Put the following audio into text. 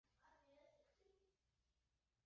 范奥登是一名受压抑的虔诚清教徒和的探员。